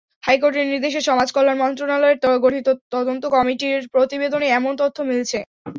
হাইকোর্টের নির্দেশে সমাজকল্যাণ মন্ত্রণালয়ের গঠিত তদন্ত কমিটির প্রতিবেদনে এমন তথ্য মিলেছে।